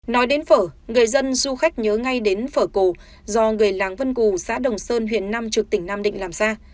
nói đến phở người dân du khách nhớ ngay đến phở cổ do người làng vân cù xã đồng sơn huyện nam trực tỉnh nam định làm ra